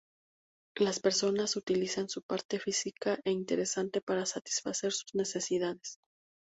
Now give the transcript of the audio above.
Las personas utilizan su parte física e interesante para satisfacer sus necesidades.